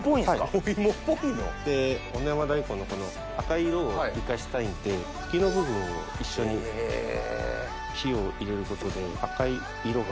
女山大根のこの赤い色を生かしたいので茎の部分を一緒に火を入れることで赤い色が。